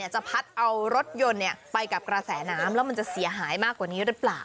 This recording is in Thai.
จะพัดเอารถยนต์ไปกับกระแสน้ำแล้วมันจะเสียหายมากกว่านี้หรือเปล่า